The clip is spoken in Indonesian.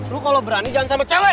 lu kalau berani jangan sama cewek